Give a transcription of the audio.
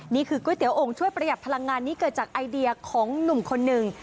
นี่คือก๋วยเตี๋ยโอ่งช่วยประหยัดพลังงานนี้เกิดจากไอเดียของหนุ่มคนหนึ่ง